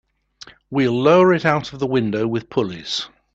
We'll lower it out of the window with pulleys.